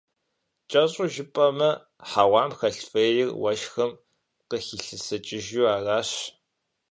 КӀэщӀу жыпӀэмэ, хьэуам хэлъ фӀейр уэшхым къыхилъэсыкӀыжу аращ.